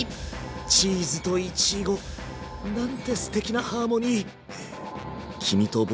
チーズといちごなんてすてきなハーモニー。